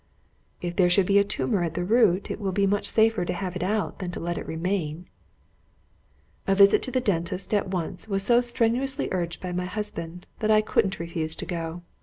"If there should be a tumour at the root, it will be much safer to have it out than let it remain." A visit to the dentist at once was so strenuously urged by my husband, that I couldn't refuse to go.